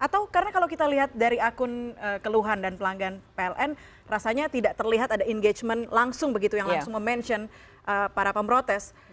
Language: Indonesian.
atau karena kalau kita lihat dari akun keluhan dan pelanggan pln rasanya tidak terlihat ada engagement langsung begitu yang langsung memention para pemprotes